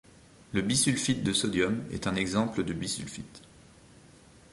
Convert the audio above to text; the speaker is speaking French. Le bisulfite de sodium est un exemple de bisulfite.